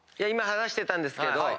今話してたんですけど。